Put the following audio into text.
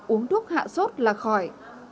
uống thuốc hạ sốt là khỏi